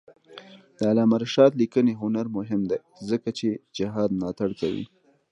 د علامه رشاد لیکنی هنر مهم دی ځکه چې جهاد ملاتړ کوي.